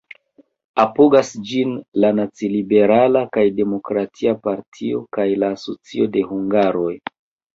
Apogas ĝin la Naciliberala kaj Demokratia Partioj kaj la Asocio de Hungaroj.